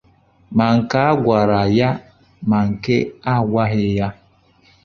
ma nke a gwara ya ma nke a gwaghị ya.